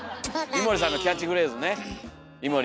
井森さんのキャッチフレーズね。